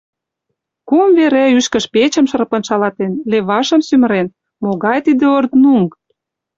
Кум вере ӱшкыж печым шырпын шалатен, левашым сӱмырен — могай тиде орднуҥ!